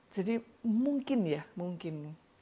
jadi mungkin ya mungkin